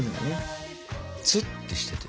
ツッとしてて。